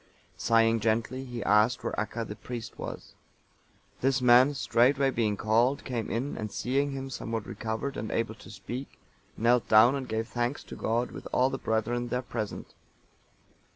Sighing gently, he asked where Acca,(927) the priest, was. This man, straightway being called, came in, and seeing him somewhat recovered and able to speak, knelt down, and gave thanks to God, with all the brethren there present.